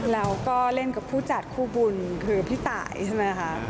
แล้วก็เล่นกับผู้จัดคู่บุญคือพี่ตายใช่ไหมคะ